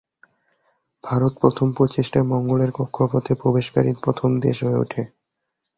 ভারত প্রথম প্রচেষ্টায় মঙ্গলের কক্ষপথে প্রবেশকারী প্রথম দেশ হয়ে ওঠে।